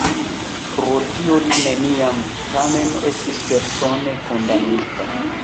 Pro tio li neniam tamen estis persone kondamnita.